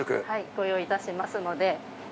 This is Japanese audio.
ご用意いたしますので。